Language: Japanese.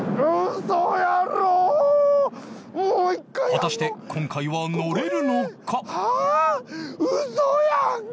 果たして今回は乗れるのか？